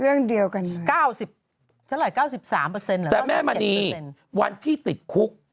เรื่องเดียวกันเลยแต่แม่มณีวันที่ติดคุก